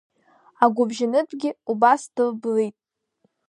Агәыбжьанытәгьы убас дылблит.